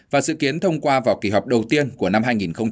và dự kiến thông qua vào kỳ họp đầu tiên của năm hai nghìn hai mươi